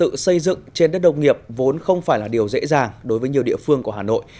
tự xây dựng trên đất đồng nghiệp vốn không phải là điều dễ dàng đối với nhiều địa phương của hà nội